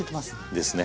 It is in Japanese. ですね。